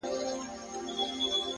• ورځي د وريځي يارانه مــاتـه كـړه،